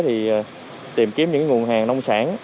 thì tìm kiếm những nguồn hàng nông sản